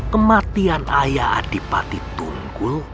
kematian ayah adipati tunggul